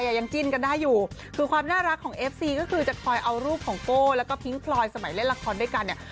ยังจิ้นกันได้อยู่คือความน่ารักของเอฟซีก็คือจะคอยเอารูปของโก้แล้วก็พิ้งพลอยสมัยเล่นละครด้วยกันเนี่ย